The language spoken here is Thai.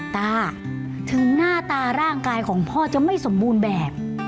ตาถึงหน้าตาร่างกายของพ่อจะไม่สมบูรณ์แบบ